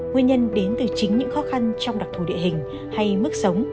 nguyên nhân đến từ chính những khó khăn trong đặc thù địa hình hay mức sống